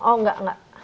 oh enggak enggak